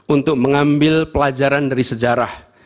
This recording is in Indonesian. untuk mengambil pelajaran dari sejarah